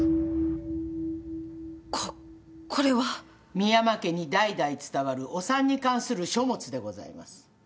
深山家に代々伝わるお産に関する書物でございます。